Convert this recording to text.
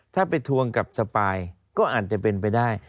ถ้าไปทวงกับสปายก็อาจจะเป็นไปได้